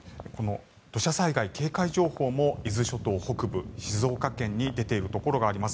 土砂災害警戒情報も伊豆諸島北部、静岡県に出ているところもあります。